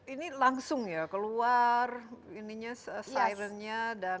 ini langsung ya keluar sirennya